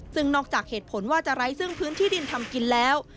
ซึ่งนอกจากเหตุผลว่าจะไร้ซึ่งพื้นที่ดินทำกินแล้ว